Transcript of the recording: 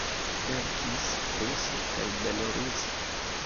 Verkis ruse kaj beloruse.